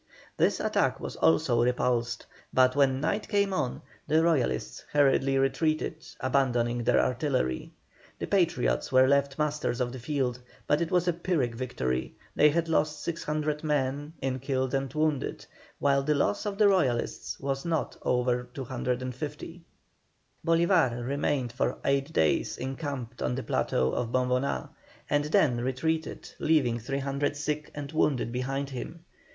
This attack was also repulsed, but when night came on the Royalists hurriedly retreated, abandoning their artillery. The Patriots were left masters of the field, but it was a Phyrric victory, they had lost 600 men in killed and wounded, while the loss of the Royalists was not over 250. Bolívar remained for eight days encamped on the plateau of Bomboná, and then retreated, leaving 300 sick and wounded behind him.